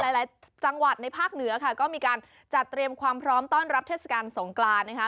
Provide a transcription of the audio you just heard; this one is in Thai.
หลายจังหวัดในภาคเหนือค่ะก็มีการจัดเตรียมความพร้อมต้อนรับเทศกาลสงกรานนะคะ